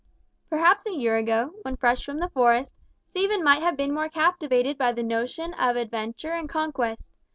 Perhaps a year ago, when fresh from the Forest, Stephen might have been more captivated by the notion of adventure and conquest.